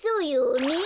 ねえ。